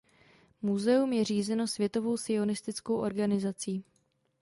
Muzeum je řízeno Světovou sionistickou organizací.